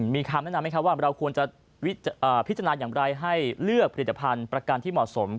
มีคำแนะนำไหมครับว่าเราควรจะพิจารณาอย่างไรให้เลือกผลิตภัณฑ์ประกันที่เหมาะสม